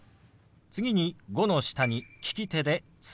次「５」の下に利き手で「月」。